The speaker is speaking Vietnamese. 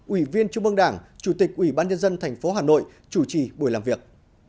ủy viên trung ương đảng chủ tịch ủy ban nhân dân thành phố hà nội chủ trì buổi làm việc